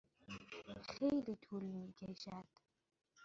خیلی طول می کشد.